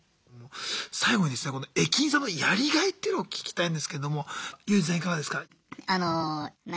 最後にですね駅員さんのやりがいっていうのを聞きたいんですけどもユージさん